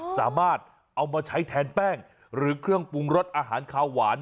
สามารถเอามาใช้แทนแป้งหรือเครื่องปรุงรสอาหารคาวหวาน